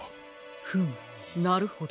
フムなるほど。